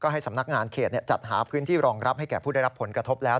ให้สำนักงานเขตจัดหาพื้นที่รองรับให้แก่ผู้ได้รับผลกระทบแล้ว